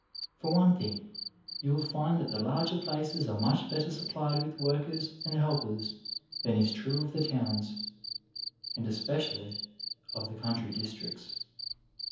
For one thing, you will find that the larger places are much better supplied with workers and helpers than is true of the towns, and especially of the country districts.